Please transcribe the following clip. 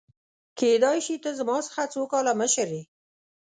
کيدای شي ته زما څخه څو کاله مشر يې !؟